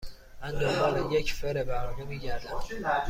من دنبال یک فر برقی می گردم.